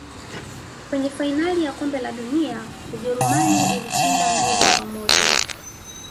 Kwenye fainali ya kombe la dunia ujerumani ilishinda mbili kwa moja